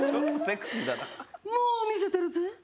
もう見せてるぜ。